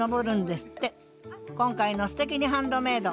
今回の「すてきにハンドメイド」